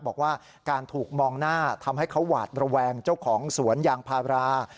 บอกว่าการถูกมองหน้าทำให้เขาหวาดระแวงเจ้าของสวนยางพารา